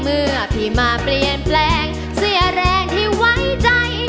เมื่อพี่มาเปลี่ยนแปลงเสียแรงที่ไว้ใจ